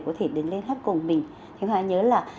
rất là trong sáng nhí nhảnh